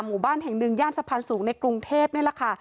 หมู่บ้านแห่งหนึ่งย่านสะพานสูงในกรุงเทพนี่แหละค่ะ